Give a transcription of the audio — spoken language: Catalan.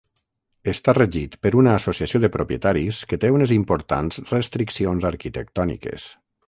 Està regit per una associació de propietaris que té unes importants restriccions arquitectòniques.